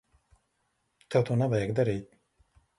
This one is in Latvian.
Tev to nevajag darīt.